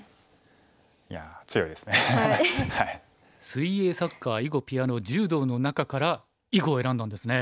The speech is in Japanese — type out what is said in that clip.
水泳サッカー囲碁ピアノ柔道の中から囲碁を選んだんですね。